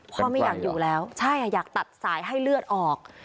ไม่อยากอยู่แล้วใช่อยากตัดสายให้เลือดออก